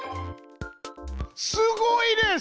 すごいです！